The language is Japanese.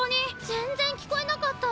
全然聞こえなかった。